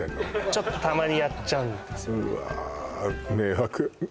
ちょっとたまにやっちゃうんですよね